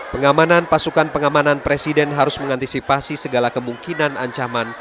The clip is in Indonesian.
pengamanan pasukan pengamanan presiden harus mengantisipasi segala kemungkinan ancaman